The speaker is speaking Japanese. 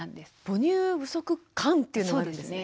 母乳不足感というのがあるんですね。